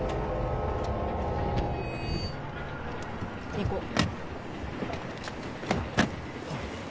行こう。